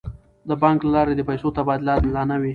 د بانک له لارې د پیسو تبادله عادلانه وي.